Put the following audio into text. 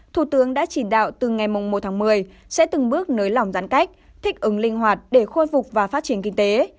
thủ tướng đã chỉ đạo từ ngày một tháng một mươi sẽ từng bước nới lỏng giãn cách thích ứng linh hoạt để khôi phục và phát triển kinh tế